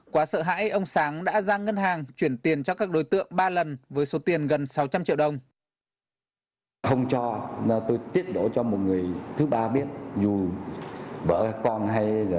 quá sợ hãi ông sáng đã ra ngân hàng chuyển tiền cho các đối tượng ba lần với số tiền gần sáu trăm linh triệu đồng